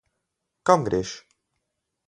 Kam greš?